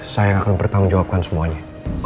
saya akan bertanggung jawabkan semuanya